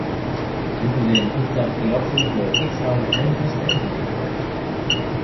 Disney then picked up the option for Pixar's Andrew Stanton to direct.